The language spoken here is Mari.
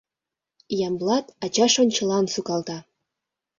Ямблат ачаж ончылан сукалта.